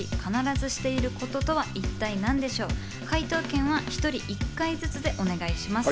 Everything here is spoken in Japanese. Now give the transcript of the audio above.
解答権は１人１回ずつでお願いします。